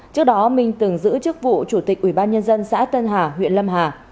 trước đó minh từng giữ chức vụ chủ tịch ủy ban nhân dân xã tân hà huyện lâm hà